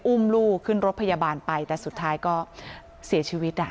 อุ้มลูกขึ้นรถพยาบาลไปแต่สุดท้ายก็เสียชีวิต